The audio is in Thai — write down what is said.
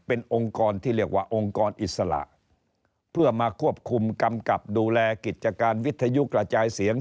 เป็นองค์กรที่เรียกว่าองค์กรอิสระเพื่อมาควบคุมกำกับดูแลกิจการวิทยุกระจายเสียง